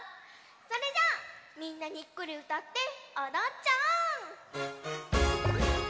それじゃあみんなにっこりうたっておどっちゃおう！